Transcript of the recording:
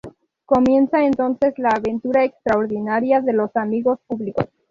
Comienza entonces la aventura extraordinaria de los Amigos Públicos.